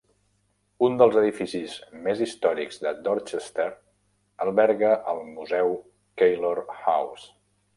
Un dels edificis més històrics de Dorchester alberga el Museu Keillor House.